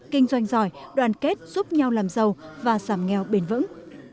kinh doanh giỏi đoàn kết giúp nhau làm giàu và giảm nghèo bền vững